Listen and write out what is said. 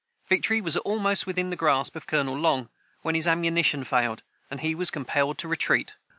Victory was almost within the grasp of Colonel Long, when his ammunition failed, and he was compelled to retreat.